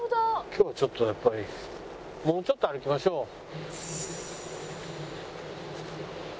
今日ちょっとやっぱりもうちょっと歩きましょう。